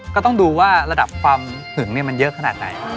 ก็ต้องดูว่าระดับความหึงมันเยอะขนาดไหน